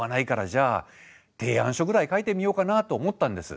じゃあ提案書ぐらい書いてみようかなと思ったんです。